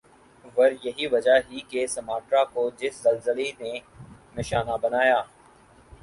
ور یہی وجہ ہی کہ سماٹرا کو جس زلزلی نی نشانہ بنایا